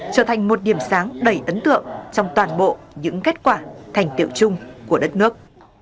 trở thành một điểm sáng đầy ấn tượng trong toàn bộ những kết quả thành tiệu chung của đất nước